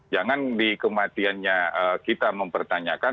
jangan di kematiannya kita mempertanyakan